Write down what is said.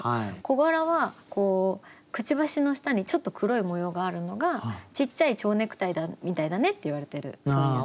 コガラはくちばしの下にちょっと黒い模様があるのがちっちゃいちょうネクタイみたいだねって言われてるそういう。